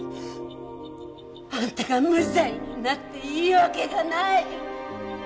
あんたが無罪になっていい訳がない！